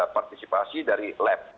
partisipasi dari lab